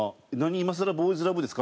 今更ボーイズラブですか？」